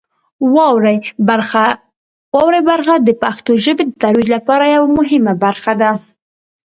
واورئ برخه د پښتو ژبې د ترویج لپاره یوه مهمه برخه ده.